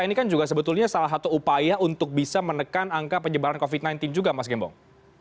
ini kan juga sebetulnya salah satu upaya untuk bisa menekan angka penyebaran covid sembilan belas juga mas gembong